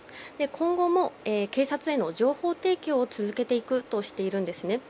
今後も警察への情報提供を続けていくとしているんですね。